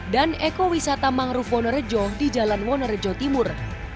dan eko wisata mangruf wonorejo di jalan wonorejo timur